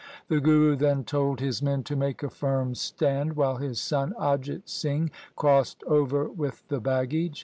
The Guru then told his men to make a firm stand, while his son Ajit Singh crossed over with the baggage.